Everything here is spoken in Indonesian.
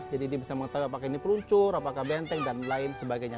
jadi dia bisa mengetahui apakah ini peruncur apakah benteng dan lain sebagainya